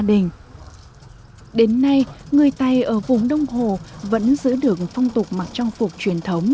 đến nay người tây ở vùng đông hồ vẫn giữ được phong tục mặc trang phục truyền thống